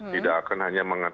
tidak akan hanya mengangkat